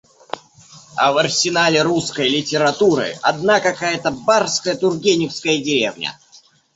А в арсенале русской литературы одна какая-то барская тургеневская деревня.